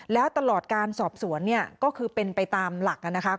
และตลอดการสอบสวนก็คือเป็นไปตามหลังนะคะ